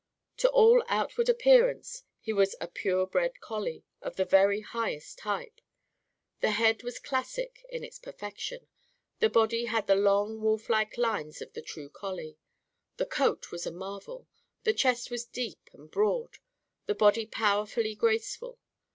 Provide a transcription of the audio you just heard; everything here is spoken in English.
To all outward appearance, he was a pure bred collie of the very highest type. The head was classic in its perfection. The body had the long, wolf like lines of the true collie. The coat was a marvel. The chest was deep and broad, the body powerfully graceful.